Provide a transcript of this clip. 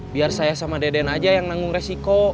biar saya sama deden aja yang nanggung resiko